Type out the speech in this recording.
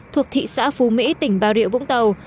thuộc thị xã phú mỹ tỉnh bà rịa vũng tàu